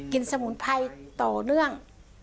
สมุนไพรต่อเนื่อง